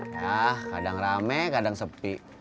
nah kadang rame kadang sepi